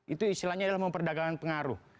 itu istilahnya adalah memperdagangkan pengaruh